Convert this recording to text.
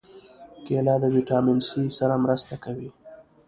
کېله د ویټامین C سره مرسته کوي.